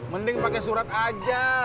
mending pake surat aja